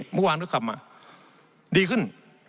เมื่อวานก็กลับมาดีขึ้น